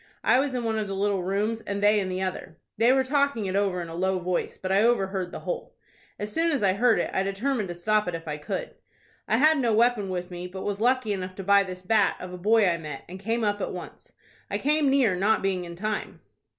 I was in one of the little rooms, and they in the other. They were talking it over in a low voice; but I overheard the whole. As soon as I heard it, I determined to stop it if I could. I had no weapon with me, but was lucky enough to buy this bat of a boy I met, and came up at once. I came near not being in time."